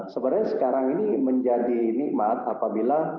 sebenarnya sekarang ini menjadi nikmat apabila